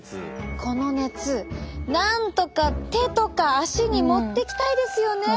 この熱なんとか手とか足に持ってきたいですよね。